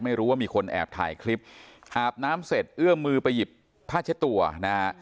ไม่รู้ว่ามีคนแอบถ่ายคลิปอาบน้ำเสร็จเอื้อมมือไปหยิบผ้าเช็ดตัวนะฮะ